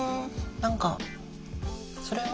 何かそれも。